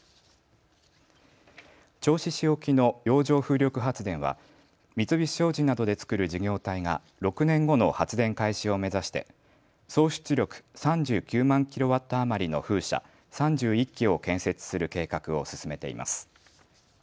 銚子市沖の洋上風力発電は三菱商事などで作る事業体が６年後の発電開始を目指して総出力３９万キロワット余りの風車３１基を建設する計画を進めています。